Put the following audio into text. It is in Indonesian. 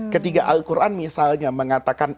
ketiga al quran misalnya mengatakan